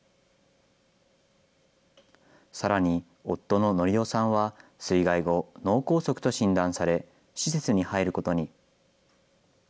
さらに夫の典男さんは、水害後、脳梗塞と診断され、施設に入ることに。